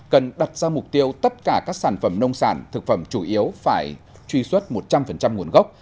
cần đặt ra mục tiêu tất cả các sản phẩm nông sản thực phẩm chủ yếu phải truy xuất một trăm linh nguồn gốc